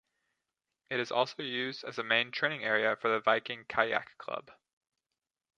It is also used as a main training area for the Viking Kayak Club.